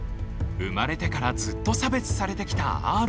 生まれてからずっと差別されてきたアーロイ。